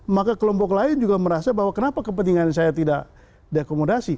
maka kelompok lain juga merasa bahwa kenapa kepentingan saya tidak diakomodasi